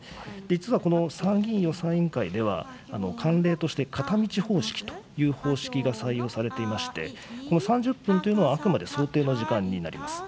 実はこの参議院予算委員会では、慣例として片道方式という方式が採用されていまして、この３０分というのは、あくまで想定の時間になります。